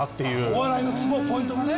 お笑いのツボポイントがね。